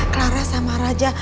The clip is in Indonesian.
clara sama raja